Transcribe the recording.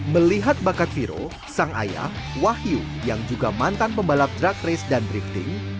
melihat bakat viro sang ayah wahyu yang juga mantan pembalap drug race dan drifting